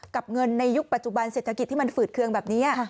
เงินในยุคปัจจุบันเศรษฐกิจที่มันฝืดเคืองแบบนี้